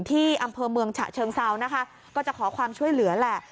ที่อำเภอเมืองฉะเชิงเซานะคะก็จะขอความช่วยเหลือแหละ